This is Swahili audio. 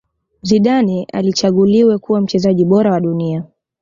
Zidane alichaguliwe kuwa mchezaji bora wa dunia